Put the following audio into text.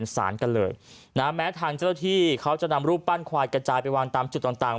สารกันเลยนะแม้ทางเจ้าที่เขาจะนำรูปปั้นควายกระจายไปวางตามจุดต่างต่าง